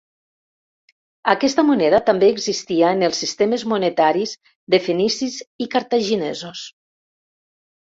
Aquesta moneda també existia en els sistemes monetaris de fenicis i cartaginesos.